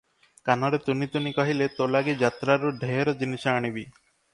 କାନରେ ତୁନି ତୁନି କହିଲେ, "ତୋ ଲାଗି ଯାତ୍ରାରୁ ଢେର ଜିନିଷ ଆଣିବି ।"